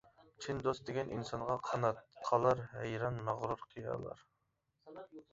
چىن دوست دېگەن ئىنسانغا قانات قالار ھەيران مەغرۇر قىيالار.